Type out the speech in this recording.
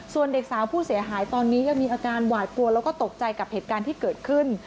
ส่วนเด็กสาวผู้เสียหายตอนนี้ยังมีอาการหวาดกลัวแล้วก็ตกใจกับเหตุการณ์ที่เกิดขึ้น